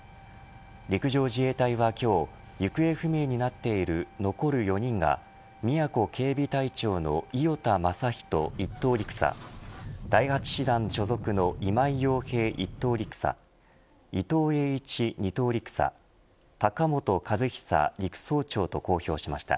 陸上自衛隊は今日行方不明になっている残る４人が宮古警備隊長の伊與田雅一１等陸佐第８師団所属の今井洋平１等陸佐伊東英一２等陸佐高本和尚陸曹長と公表しました。